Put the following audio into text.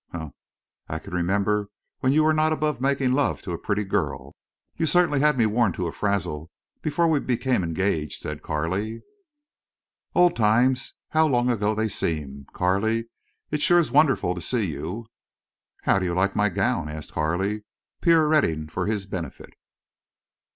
"Humph! I can remember when you were not above making love to a pretty girl. You certainly had me worn to a frazzle—before we became engaged," said Carley. "Old times! How long ago they seem!... Carley, it's sure wonderful to see you." "How do you like my gown?" asked Carley, pirouetting for his benefit.